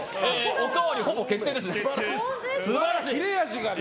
おかわりほぼ決定ですね。